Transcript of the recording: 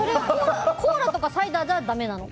コーラとかサイダーじゃだめなの？